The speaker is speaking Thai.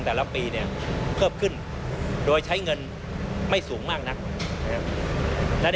จากการฝึกยิงได้ปีเนี่ยขึ้นครับ